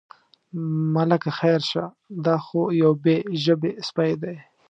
ملکه خیر شه، دا خو یو بې ژبې سپی دی.